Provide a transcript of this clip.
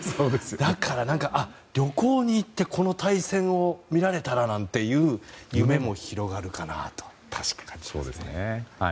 だから旅行に行ってこの対戦を見られたらという夢も広がるかなと。